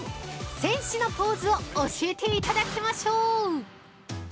戦士のポーズを教えていただきましょう。